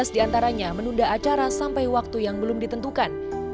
tiga belas diantaranya menunda acara sampai waktu yang belum ditentukan